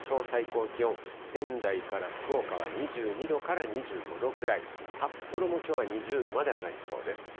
最高気温、仙台から福岡は２２度から２５度くらい、札幌もきょうは２０度まで上がりそうです。